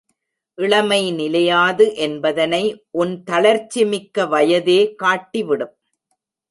இளமை நிலையாது என்பதனை உன் தளர்ச்சிமிக்க வயதே காட்டிவிடும்.